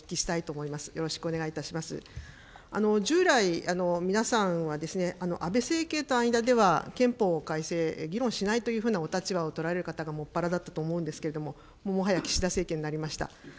従来、皆さんは安倍政権の間では憲法改正を議論しないというふうなお立場を取られる方がもっぱらだったと思うんですけれども、もはや岸田政権になりました。